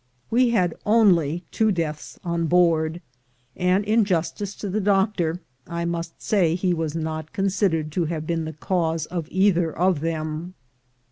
We had only two deaths on board, and in justice to the doctor, I must say he was not considered to have been the cause of either of them.